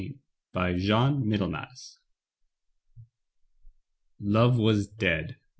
BY JEAN MIDDLEMASS. Love was dead.